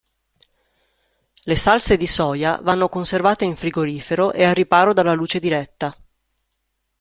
Le salse di soia vanno conservate in frigorifero e al riparo dalla luce diretta.